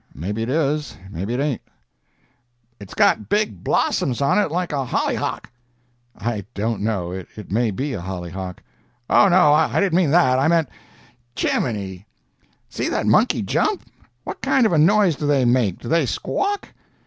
Maybe it is, maybe it ain't." "It's got big blossoms on it like a hollyhock." "I don't know—it may be a hollyhock." "Oh, no—I didn't mean that—I meant—Geeminy! see that monkey jump! What kind of a noise do they make—do they squawk?"